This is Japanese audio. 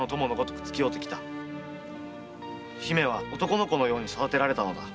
姫は男の子のように育てられたのだ。